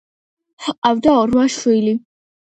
ჰყავდა რვა შვილი.